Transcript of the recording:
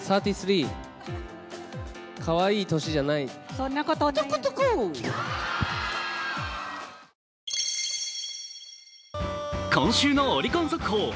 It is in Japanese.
そこで今週のオリコン速報！